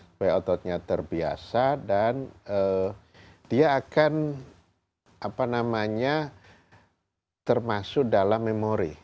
supaya ototnya terbiasa dan dia akan apa namanya termasuk dalam memori